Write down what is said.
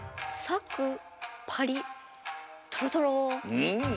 うん！